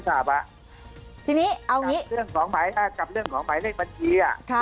กับเรื่องของหมายเลขบัญชี